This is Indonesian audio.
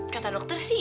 kata dokter sih